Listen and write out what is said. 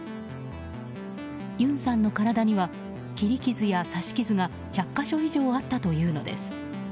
ユンさんの体には切り傷や刺し傷が１００か所以上あったというのです。